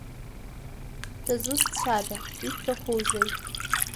Шәызусҭцәада, ишәҭахузеи?